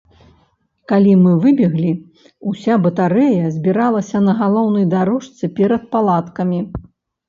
Калі мы выбеглі, уся батарэя збіралася на галоўнай дарожцы перад палаткамі.